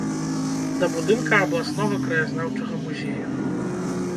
Да будынка абласнога краязнаўчага музею.